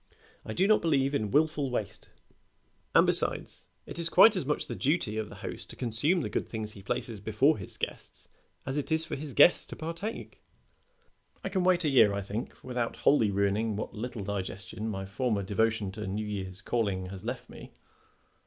I do not believe in wilful waste; and besides, it is quite as much the duty of the host to consume the good things he places before his guests as it is for the guests to partake. I can wait a year, I think, without wholly ruining what little digestion my former devotion to New Year's calling has left me.